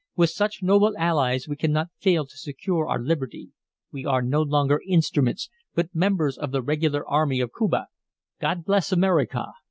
"With such noble allies we cannot fail to secure our liberty. We are no longer instruments, but members of the regular army of Cuba. God bless America!"